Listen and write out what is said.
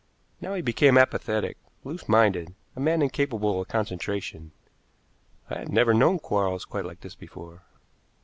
Now he became apathetic, loose minded, a man incapable of concentration. I had never known Quarles quite like this before.